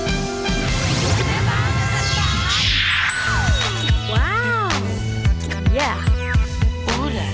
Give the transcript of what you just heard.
แม่บานแม่สาว